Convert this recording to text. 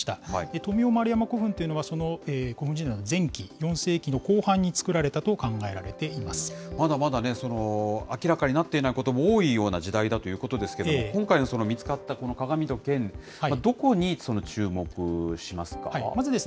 富雄丸山古墳というのは、その古墳時代の前期、４世紀の後半に造まだまだね、明らかになっていないことも多いような時代だということですけれども、今回のその見つかった鏡と剣、どこに注目しますか。